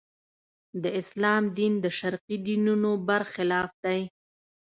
د اسلام دین د شرقي دینونو برخلاف دی.